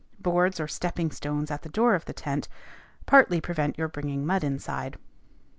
Boards or stepping stones at the door of the tent partly prevent your bringing mud inside.